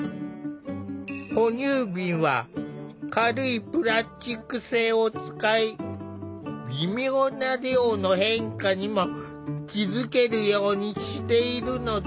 哺乳瓶は軽いプラスチック製を使い微妙な量の変化にも気付けるようにしているのだ。